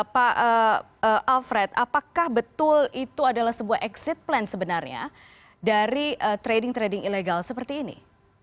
pak alfred apakah betul itu adalah sebuah exit plan sebenarnya dari trading trading ilegal seperti ini